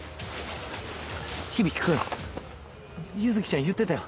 響君結月ちゃん言ってたよ。